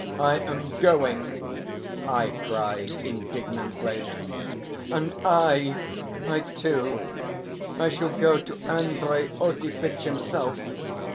"I am going!" I cried indignantly. "And I! I too! I shall go to Andrey Osipitch himself.